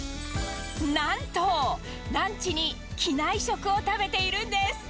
なんとランチに機内食を食べているんです。